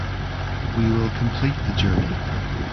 We will complete the journey.